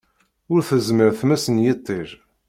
Ur tezmir tmes n yiṭij.